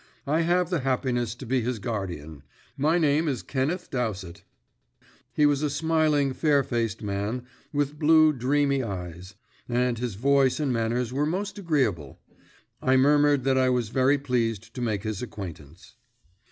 I have the happiness to be his guardian. My name is Kenneth Dowsett." He was a smiling, fair faced man, with blue, dreamy eyes, and his voice and manners were most agreeable. I murmured that I was very pleased to make his acquaintance.